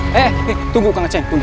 hei tunggu kang maceng